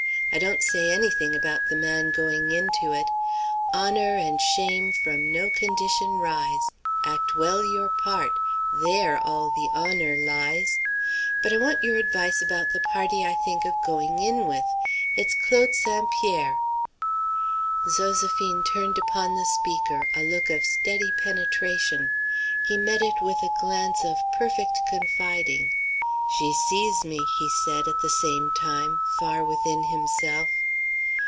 I don't say any thing about the man going into it, 'Honor and shame from no condition rise: Act well your part; there all the honor lies,' but I want your advice about the party I think of going in with. It's Claude St. Pierre." Zoséphine turned upon the speaker a look of steady penetration. He met it with a glance of perfect confiding. "She sees me," he said, at the same time, far within himself.